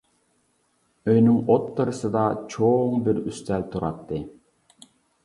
ئۆينىڭ ئوتتۇرىسىدا چوڭ بىر ئۈستەل تۇراتتى.